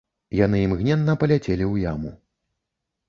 Яны імгненна паляцелі ў яму.